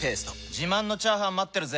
自慢のチャーハン待ってるぜ！